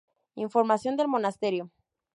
Información del monasterio